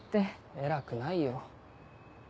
偉くないよ。